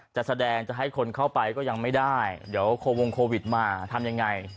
จะแสดงจะให้คนเข้าไปก็ยังไม่ได้เดี๋ยวโควงโควิดมาทำยังไง